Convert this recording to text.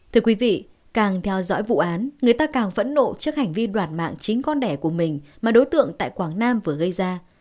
thưa quý vị càng theo dõi vụ án người ta càng phẫn nộ trước hành vi đoạt mạng chính con đẻ của mình mà đối tượng tại quảng nam vừa gây ra